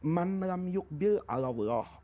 man lam yukbil allah